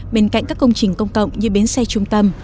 bên cạnh các công trình công cộng như bến xe trung tâm